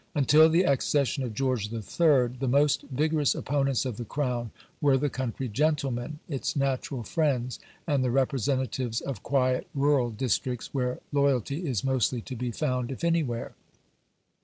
Until the accession of George III. the most vigorous opponents of the Crown were the country gentlemen, its natural friends, and the representatives of quiet rural districts, where loyalty is mostly to be found, if anywhere.